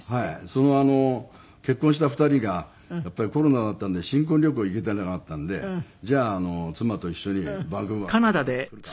そのあの結婚した２人がやっぱりコロナだったんで新婚旅行行けてなかったんでじゃあ妻と一緒にバンクーバー来るか？